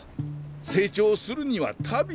成長するには旅。